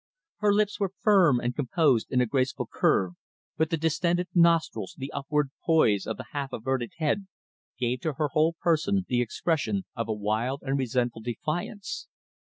Her lips were firm and composed in a graceful curve, but the distended nostrils, the upward poise of the half averted head, gave to her whole person the expression of a wild and resentful defiance.